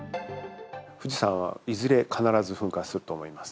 富士山はいずれ必ず噴火すると思います。